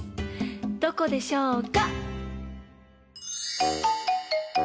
どこでしょうか？